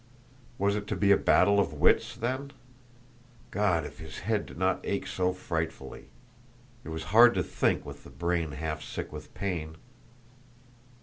Was it to be a battle of wits, then? God, if his head did not ache so frightfully! It was hard to think with the brain half sick with pain.